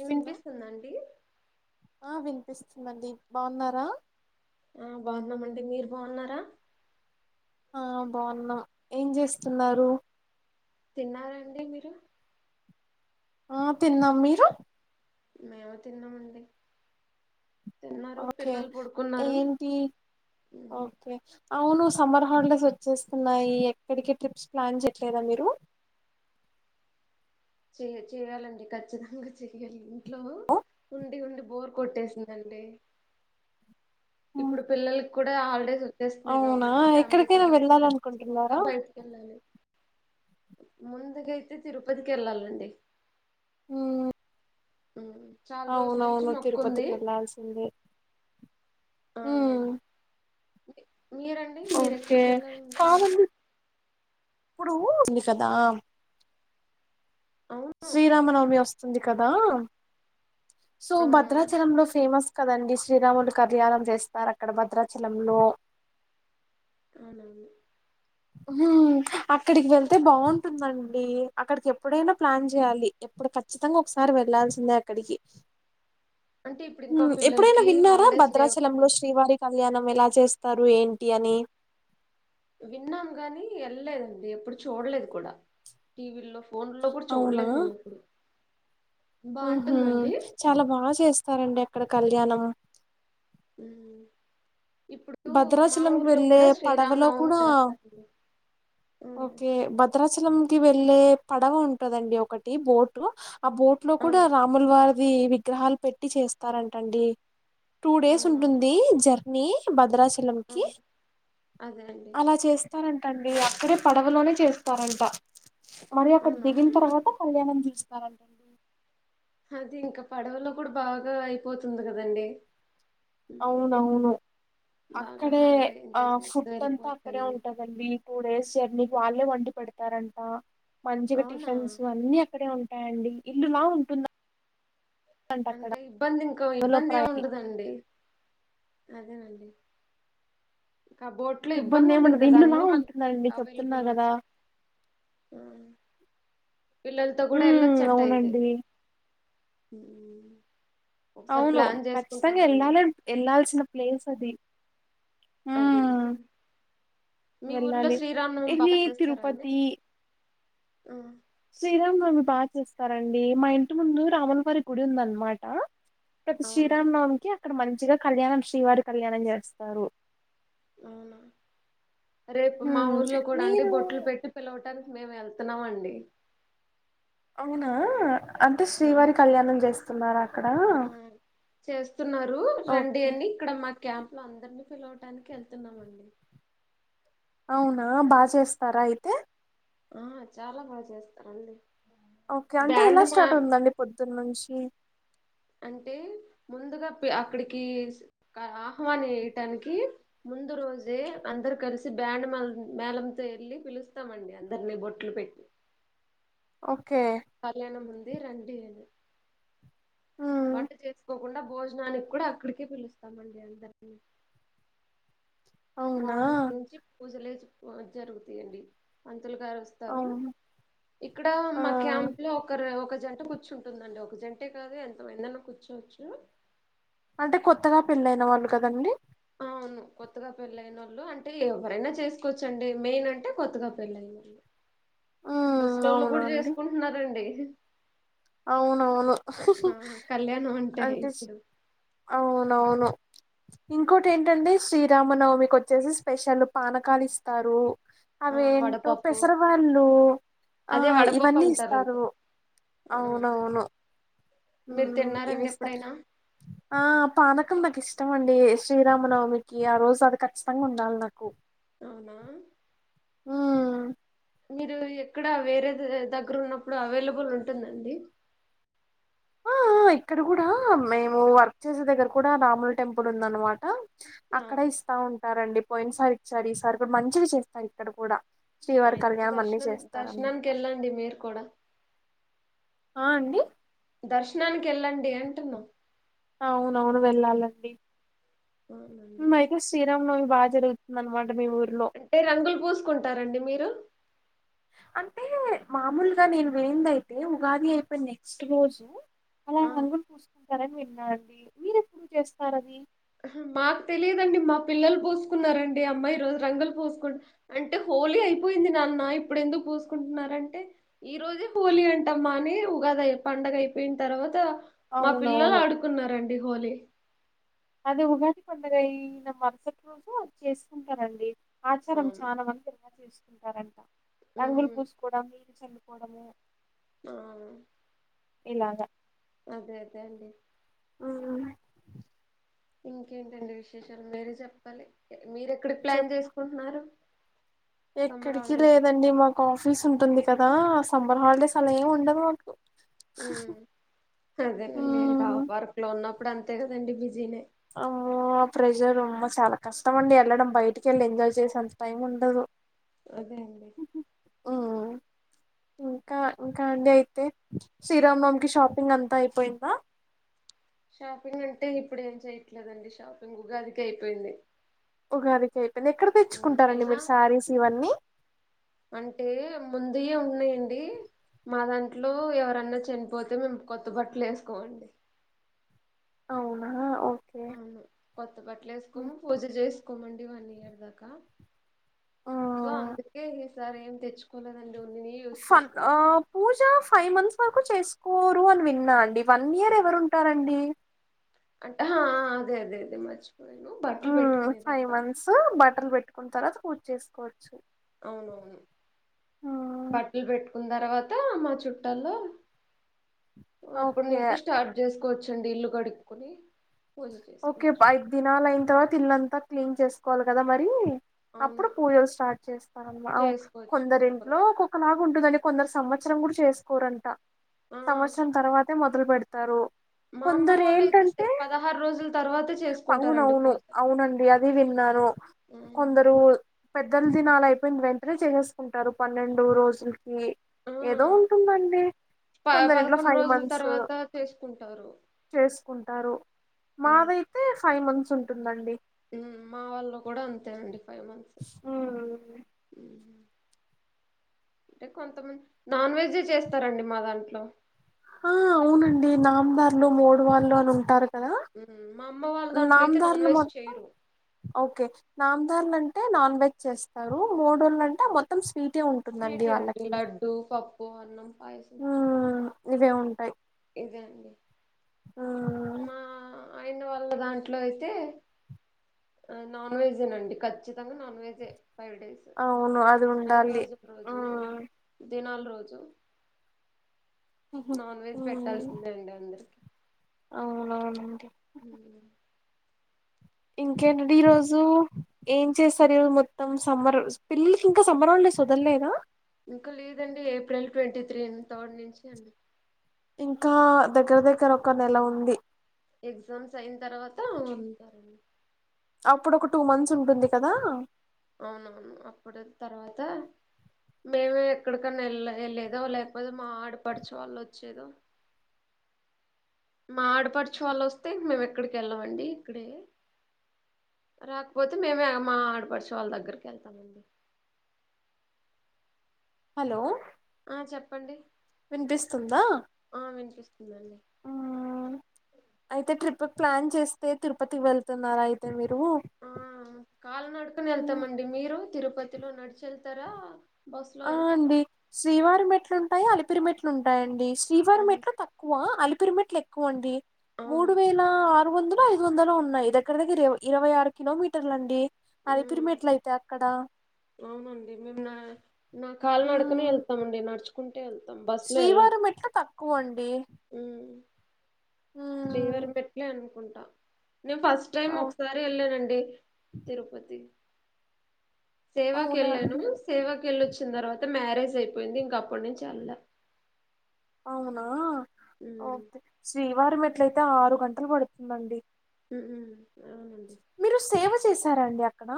ఇ వినిపిస్తుంద అండి ఆ వినిపిస్తుందండి బాగున్నారా ఆ బాగున్నామండి మీరు బాగున్నారా ఆ బాగున్నా ఏం చేస్తున్నారు తిన్నారండీ మీరు ఆ తిన్నాం మీరు మేము తిన్నామండి తిన్నారు ఓకే పిల్లలు పడుకున్నారు ఏంటి ఉమ్, ఓకే అవును సమ్మర్ హాలిడేస్ వచ్చేస్తున్నాయి ఎక్కడికి ట్రిప్స్ ప్లాన్ చేయట్లేదా మీరు చేయ చేయాలండి ఖచ్చితంగా చెయాలి ఇంట్లో ఉండి ఉండి బోర్ కొట్టేసిందండి ఉమ్, ఇప్పుడు పిల్లలకి కూడా హాలిడేస్ వచ్చేస్తున్నాయి అవునా కాబట్టి ఫ్యామిలీతో ఎక్కడికైనా కలిసి ఖచ్చితంగా వెళ్ళాలనుకుంటున్నారా బయటకి వెళ్ళాలి ముందుగైతే తిరుపతికి వెళ్ళాలండి హు ఉమ్, చాలా రోజుల నుంచి అవునవును మొక్కుంది తిరుపతికి వెళ్లాల్సిందే ఆ మీ- మీరండి మీరు ఓకే ఎక్కడికెళ్ళాలి అనుకున్నారు ప్పుడూ ఉంది కదా అవును శ్రీరామ నవమమి వస్ స్తుంది కదా సో ఆ భద్రాచలం లో ఫేమస్ కదండి శ్రీరాముడి కళ్యాణం చేస్తారక్కడ భద్రాచలంలో అవునండి హూమ్ అక్కడికి వెళ్తే బాగుంటుందండీ, అక్కడికెప్పుడైనా ప్లాన్ చేయాలి ఎప్పుడు ఖచ్చితంగా ఒకసారి వెళ్ళల్సిందే అక్కడికి. అంటే ఇప్పుడు ఇంకా మ్మ్ ఎప్పుడైనా పిల్లలకి విన్నారా హాలిడేస్ లేవు భద్రాచలంలో కదండి శ్రీవారి కళ్యాణం ఎలా చేస్తారు ఏంటీ అనీ విన్నాం గనీ ఎళ్లేదండి ఎప్పుడు చూడలేదు కూడా టీవీ లో ఫోన్ లో కూడా చూడలేదు నేను ఎప్పుడు ఉహూ, బాగుంటుందండి చాలా బా చేస్తారండి అక్కడ కళ్యాణం ఉమ్ ఇప్పుడు మా భద్రాచలం ఊర్లో వెళ్ళే కూడా పడవలో శ్రీరామనవమి కూడా చేస్తారండి ఉమ్, ఓకే భద్రాచలం కి వెళ్ళే పడవ ఉంటదండి ఒకటి బోటు ఆ బోట్ లో కూడా అవును రాముల్ వార్ అదీ విగ్రహాలు పెట్టి చేస్తారంటండి టూ డేస్ అవునా ఉంటుందీ జర్ మీ భద్రాచ లం ఆ, కి అదే అండి అలా చేస్తారంట టండి అక్కడే పడవలోనే చేస్తారంట మరి అక్కడ అవునా దిగిన్ తర్వాత కళ్యాణం జూస్ స్తారంటండీ అది ఇంక పడవలో కుడ బాగా అయిపోతుంది కదండి ఉమ్, అవునవును బాగా అక్కడే హాయిగా ఆ ఎంజాయ్ చేస్తూ ఫుడ్ అంతా అక్కడే వెళ్ళిపోవచ్చండి ఉంటదండి టూ డేస్ జర్నీ వాళ్ళే వండి పెడ్ టారంట మంచిగ అవునా టిఫిన్సు అన్నీ అక్కడే ఉం యాండీ ఇల్లులా ఉంటుంద అంటే ఇబ్బంది ఇంక లో ఇబ్బందేం ప్ర ఉంటదండి అదేనండీ కబోట్లు ఇబ్బంది ఇబ్బందుంటది ఏముండదు కదా ఇల్లులా అన్నీ మనకి ఉంటుందండి చెప్తున్నా అవైలబుల్ కదా ఉంటై ఆ పిల్లల్తో గుడా ఉమ్ ఎల్లొచ్చట్టయితే [inaudible] అవునండి అవును ఖచ్చితంగా ఎళ్ళాలని ఎళ్ళాల్సిన ప్లేస్ అది అది ఉమ్ మీ ఊర్లో వెళ్ళాలి శ్రీరాంనవమి బా ఇది చేస్తారా అండి ఆ శ్రీరాంనమమి బా చేస్తారండి మా ఇంటి ముందు రాములవారి గుడి ఉందన్నమాట ప్రతి అవును శ్రీరాంనవమి కిి అక్కడ మం మంచిగా కళ్యాణం శ్రీవారి కళ్యాణం జేస్తారు అవునా రేపు మా ఉమ్ ఊర్లో కూడా అంటే మీరు బొట్లు పెట్టి పిలవ డానికి మేమెళ్తున్నామండి అవునా అంటే శ్రీవారి కళ్యాణం చేస్తున్నారా అక్కడా ఆ చేస్తున్నారు రండి ఓకే అని ఇక్కడ మా క్యాంప్ లో అందరినీ పిలవటానికి ఎళ్తున్నామండి అవునా బాగ చేస్తారా అయితే ఆ చాలా బాగా చేస్తారు అండీ ఓకే అంటే ఎలా స్టార్ట్ ఉందండి పొద్దున్నుంచి అంటే ముందుగా అక్కడికి క ఆహ్వానియ్యటానికి ముందు రోజే అందరు కలిసి బ్యాండ్ మ మేళంతో ఎళ్ళి పిలుస్తామండి అందరిని బొట్లు పెట్టి [inaudible] కళ్యాణం ముం ది రండి అని ఉమ్ వంట చేసుకోకుండ భోజనానికి కూడా అక్కడికే పిలుస్తామండి అందరినీ అవునా మార్నింగ్ నుంచి పూజలే జరుగుతయ్యండి పం తులు గారొస్తారు అవును ఇక్కడ ఆ, మా క్యాంప్ లో ఒక రె ఒక జంట కూర్చుంటుందండి ఒక జంటే కాదు ఎంతమందన్నా కూర్చోచ్చు అంటే కొత్తగా పెళ్ళయిన వాళ్ళు కదండి అవును కొత్తగా పెళ్ళయినోళ్ళు అంటే ఎవరైనా చేసుకోచ్చండి మెయిన్ అంటే కొత్తగా పెళ్లయినోళ్ళు ఉమ్ ముస్లింలు కూడా అవునండి చేసుకుంటున్నారండి [inaudible] అవునవును ఆ కళ్యాణం అంటే ఇప్పుడు అవునవును ఇంకోటి ఏంటంటే శ్రీరామనవమికొచ్చేసి స్పెషల్ పానకాలిస్తారు ఆ అవేంటో వడపప్పు పెసరవాళ్ళు ఆ అదే వడపప్పు ఇవన్నీ అంటారండి ఇస్తారు ఆ అవునవును మీరు ఇవి తిన్నారండి ఇస్త ఎప్పుడైనా ఆ పనకులుందకా ఇష్ట ఇష్టమండి శ్రీరామనవమికి ఆ రోజు అది ఖచ్చితంగా ఉండాలి నాకు అవునా ఉమ్ మీరు ఎక్కడ వేరే దగ్గర ఉన్నప్పుడు అవైలబుల్ ఉంటుందండి ఆ ఇక్కడ కూడా మేము వర్క్ చేసే దగ్గర కూడా రాముల టెంపుల్ ఉంద అనమాట ఆ అక్కడ ఇస్తా ఉంటా ఇస్తారండి పోయిన సారి ఇచ్చారు ఈ సారి కూడా మంచిది చేస్తాను ఇక్కడ కూడా శ్రీవారి ఆయి కళ్యాణం అన్ని దర్శనం చేస్తారనమాట దర్శనానికి ఎళ్ల్ండి మీరుర్ కూడాడా ఆ అండి దర్శనానికి వెళ్ళండి అంటున్నా అవునవును వెళ్ళాలండి అవునండి మకు సిరమ్ంలో బాగా జరుగుతుంద అంటే రంగులు పూసుకుంటారండి మీరు అంటే మామూలుగా నేను వినింది అయితే ఉగాది అయిపోయిన నెక్స్ట్ రోజు అలా ఆ రంగులు పూసుకున్ చరణ్ విన్నా అండి మీరెప్పుడు చేస్తార్ అది మాకు తెలిదండి మా పిల్లలు పూసుకున్నారండి అమ్మాయి ఈ రోజు రంగులు పూసుకున్ అంటే హోలీ అయిపోయింది నాన్న ఇప్పుడెందుకు పూసుకుంటున్నారంటే ఈ రోజే హోలీ అంటమ్మా అని ఉగాది పండగ అయిపోయిన తర్వాత మా పిల్లోళ్ళు అవునవును ఆడుకున్నారన్ డి హోలీ అది ఉగాది పండుగ అయిన మరుసటి రోజు చేసుకుంటారండి ఆచారం అవును చానా మంది అలా చేస్ ఉంటారంటా రంగులు ఉమ్ పూసుకోవడం నీరు చల్లు పోడము ఔను ఇలాగా అదే అదే అండి మ్ ఇంకేంటండి విశేషాలు మీరే చెప్పాలి మీరు ఎక్కడి ప్లాన్ చెప్పు చేసుకుంటున్నారు సమ్మర్ ఎక్కడికి హాలిడేస్ లేదండి మాకు ఆఫీస్ ఉంటుంది కదా ఆ సమ్మర్ హాలిడేస్ అలా ఏమి ఉండవు మాకు అదేనండి కా మ్ పార్క్ లో ఉన్నాం ఇప్పుడు అంతే కదండి బిజీనే అమ్మో ఆ ప్రెషర్ అమ్మో చాలా కష్టం అండి వెళ్లడం బయటికి వెళ్ళి ఎంజాయ్ చేసేంత టైం ఉండదు అదే అండి మ్ ఇంకా ఇంకా అండి అయితే శ్రీరామనవమి కి షాపింగ్ అంతా అయిపోయిందా షాపింగ్ అంటే ఇప్పుడు ఏం చెయ్యట్లేదండి షాపింగ్గా ఉగాదికే అయిపోయింది ఉగాదికి ఎక్కడ తెచ్చుకుంటారండి అయినా మీరు శారీస్ ఇవన్నీ అంటే ముందుయే ఉన్నాయండి మా దాంట్లో ఎవరన్నా చనిపోతే మేము కొత్త బట్టలు వేసుకోవండి అవునా అవు అవును కొత్త బట్టలు వేసుకోము పూజ చేసుకోమండి వ ఇయర్ దాకా సో అందుకే ఈ సార్ ఏం తెచ్చుకోలేదు ఫ పూజ ఫైవ్ మంత్స్ వరకు చేసు కోరు అని విన్నా అండి వన్ ఇయర్ ఎవరు ఉంటారండి అ అదే అదే అదే మ్ ఫైవ్ మంత్స్ బట్ బక్కలు పెట్టుకున్న తర్వాత పూజ చేసుకోవచ్చు అవునవును ఉమ్, బట్టలు పెట్టుకున్న తర్వాత మా చుట్టల్లో అప్పుడు ఓకే నుంచి స్టార్ట్ చేసు చ్చండి ఇల్లు కడుక్కుని ఓకే ఐ దిన లైన్ తర్వాత ఇల్ అంత క్లీన్ చేసుకోవాలి కదా మరి అవును అప్పుడు పూజలు స్టార్ట్ చేస్తారమా చేసుకోవచ్చు కొందరి ఒకరు ఇంట్లో ఒక్కొక్క నాకు ఉంటుందడి కొందరు సంవత్సరం కూడా చేసుకోరంట ఆ సంవత్సరం తర్వాతే మొం మొదలు పెడతారు మా అమ్మ వాళ్ళు అయితే పదహారు రోజుల తర్వాత అవును చేసుకుంటారండి అవును పూజ అవునండి అది విన్నాను ఉమ్. కొందరు పెద్దలు దినాల అయిపోయింది వెంటనే చేససుకుంటారు పన్నెండు రోజులు ఈ ఆ ఏదో ఉంటుందండి ప కొందరి ఇంట్లో పదకొండు ఫైవ్ రోజుల మంత్స్ తర్వాత చేసుకుంటారు చే కుంటారు ఉమ్. మాదైతే ఫైవ్ మంత్స్ ఉంటుందండి మా వాళ్ళ కూడా అంతే అండి ఫైవ్ మంత్స్ ఉమ్. అంటే కొంతమంది నాన్ వెజే చేస్తారండి మా దాంట్లో ఆ అవునండి నామదార్లు మోడువాళ్ళు అని ఉంటారు కదా మా అమ్మ వాళ్ళ దాంట్లో అయితే నాన్ నామదారులు మొ వెజ్ చేయరు ఓకే నామదారులు అంటే నాన్ వెజ్ చేస్తారు మూడుోళ్ళు అంటే మొత్తం స్వీటే ఉంటుందండి వాళ్ళకి బావున్నం పాయసం ఉమ్, ఇవే ఉంటాయి ఇదే అండి ఉమ్. మా ఆయన వల్ల దాంట్లో అయితే నాన్ వెజేనండి ఖచ్చితంగా నాన్ వెజే ఫైవ్ డేస్ అవును అది ఐదు ఉండాలి రోజుల రోజు ఉమ్ దినాలు రోజు ఉహు నాన్ వెెజ్ పెట్ట కలిసిందేండి అందరికి అవునా ఆండి మ్ ఇంకేంటండి ఈ రోజు ఏం చేసారు మొత్తం సమ్మర్ పిల్లలకి ఇంకా సమ్మర్ హాలిడేస్ వదలేదా ఇంకా లేదండి ఏప్రిల్ ట్వంటీ త్రీ అ థర్డ్ నుంచి అండి ఇంకా దగ్గర దగ్గర ఒక నెల ఉంది ఎగ్జామ్స్ అయిన తర్వాత ఉంటారండి అప్పుడు ఒక టూ మంత్స్ ఉంటుంది కదా అవునవును అప్పుడు తర్వాత మేమే ఎక్కడికన్నా వెళ వెళ్ళేదో లేకపోతే మా ఆడపడుచు వాళ్ళు వచ్చేదో మా ఆడపరచు వాళ్ళు వస్తే మేము ఎక్కడికి వెళ్ళమండి ఇక్కడే రాకపోతే మేమే మా ఆడపడుచు వాళ్ళ దగ్గరికి వెళ్తామండి హలో ఆ చెప్పండి వినిపిస్తుందా ఆ వినిపిస్తుందండి మ్ అయితే ట్రిప్ ఇప్పుడు ప్లాన్ చేస్తే తిరుపతి వెళ్తున్నారా అయితే మీరు ఆ కాలి నడుకన ఉమ్ వెళ్తామండి మీరు తిరుపతిలో నడిచి వెళ్తా తరా ఆ అండి శ్రీవారి మెట్లు ఉంటాయి అ పిరిమిట్లు ఉంటాయండి ఆ శ్రీవారి మెట్లు తక్కువ అలిపిరిమేట్ మెట్లు ఎక్కువ అండి అవును మూడు వేల ఆరు వందలో ఐదు వందలో ఉన్నాయి దగ్గర దగ్గర ఇరవై ఆరు కిలోమీటర్లు అండి అలిపిరి ఉమ్ మెట్లు అయితే అక్కడ అవునండి మేన్నా నా కాలి నడుకనే ఉమ్, వెళ్తామండి నడుచు శ్రీవారి మెట్లు తక్కువండి మ్ శ్రీవారి మెట్లే అనుకుంట నేను ఫస్ట్ టైం అవ్- ఒకసారి వెళ్ళానండి తిరుపతి సేవాకి అవునా వెళ్లాను అండి సేవా కెళ్ళొచ్చిన తర్వాత మ్యారేజ్ అయిపోయింది ఇంక అప్పటి నుంచి ఎల్లా అవునా ఓకే సి యు వారం ఎట్లయితే ఆరు గంటలు పడుతుందండి ఊమ్మ్ మీరు సేవ చేసారన్ ఎక్కడ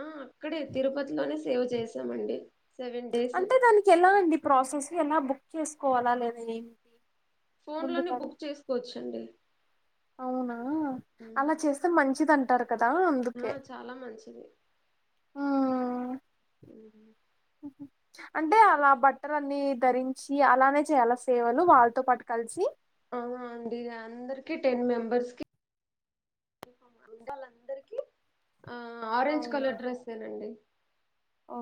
ఆ అక్కడే తిరుపతిలోనే సేవ చేసామండి సెవెన్ డేస్ అంటే దానికి ఎలా అండి ప్రాసెస్ ఎలా బుక్ చేసుకోవాలా లేదా ఏంటి ఫోన్ లోనే ముందుగా బుక్ చేసుకోవచ్చు చండి అవునా అలా చేస్తే మంచిదంటారు కదా ఆ అందుకే చాలా మంచిది ఊమ్ ఊమ్ ఉ హుమ్ అంటే అలా బట్టలన్నీ ధరించి అలానే చెయ్యాలా సేవలు వాళ్ళతో పాటు కలిసి అవునా అండి అందరికి టెన్ మెంబెర్స్ కి గుడిలోని అందరికి ఆ ఆరెంజ్ కలర్ డ్రెస్సేనండి ఓ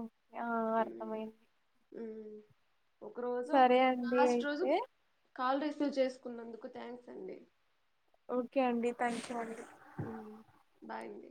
ఆ ఉమ్, అర్థమయింది ఉమ్. ఒక రోజు ఒక అండి లాస్ట్ రోజు అయితే కాల్ రిసీవ్ చేసుకున్నందుకు థ్యాంక్స్ అండి ఓకే అండి థ్యాంక్ యూ అండి ఉమ్ బాయ్ అండి